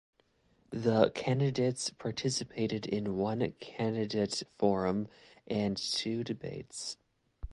The candidates participated in one candidate forum and two debates.